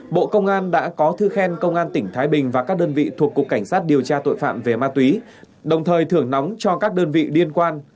bộ công an đã có thư khen công an tỉnh thái bình và các đơn vị thuộc cục cảnh sát điều tra tội phạm về ma túy đồng thời thưởng nóng cho các đơn vị liên quan